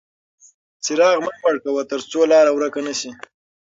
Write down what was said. څراغ مه مړ کوه ترڅو لاره ورکه نه شي.